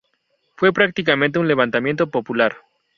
Fue prácticamente un levantamiento popular.